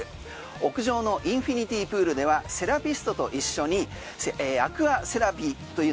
屋上のインフィニティプールではセラピストと一緒にアクアセラピーという。